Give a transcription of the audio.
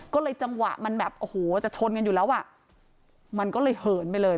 ก็เลยจังหวะมันแบบโอ้โหจะชนกันอยู่แล้วอ่ะมันก็เลยเหินไปเลย